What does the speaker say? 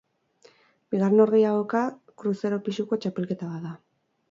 Bigarren norgehiagoka, kruzero pisuko txapelketa bat da.